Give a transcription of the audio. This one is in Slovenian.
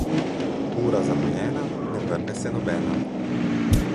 Ura zamujena ne vrne se nobena.